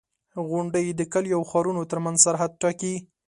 • غونډۍ د کليو او ښارونو ترمنځ سرحد ټاکي.